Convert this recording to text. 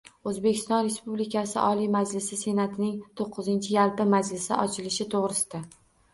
O‘zbekiston Respublikasi Oliy Majlisi Senatining to‘qqizinchi yalpi majlisi ochilishi to‘g‘risida